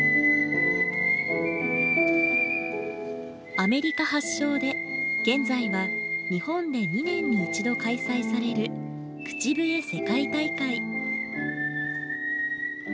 アメリカ発祥で現在は日本で２年に１度開催される口笛世界大会。